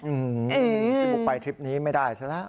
อืมพี่บุ๊กไปทริปนี้ไม่ได้ซะล่ะ